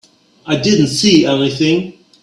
I didn't see anything.